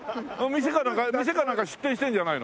店かなんか出店してるんじゃないの？